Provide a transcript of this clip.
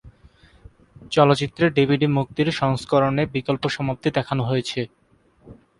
চলচ্চিত্রের ডিভিডি মুক্তির সংস্করণে বিকল্প সমাপ্তি দেখানো হয়েছে।